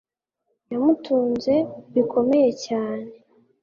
yamutunze bikomeye cyane